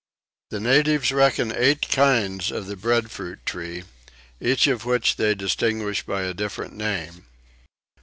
The natives reckon eight kinds of the breadfruit tree, each of which they distinguish by a different name.